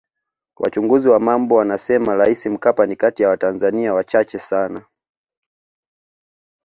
Wachunguzi wa mambo wanasema Rais Mkapa ni kati ya watanzania wachache sana